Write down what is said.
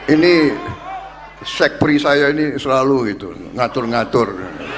ini seks pria ini selalu itu ngatur ngatur